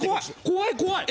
怖い怖い！